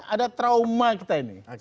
ada trauma kita ini